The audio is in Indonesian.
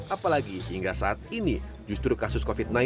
apalagi hingga saat ini justru kasus covid sembilan belas